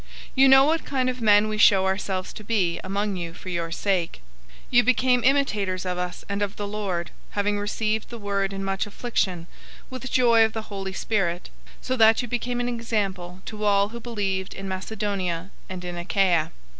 You know what kind of men we showed ourselves to be among you for your sake. 001:006 You became imitators of us, and of the Lord, having received the word in much affliction, with joy of the Holy Spirit, 001:007 so that you became an example to all who believe in Macedonia and in Achaia.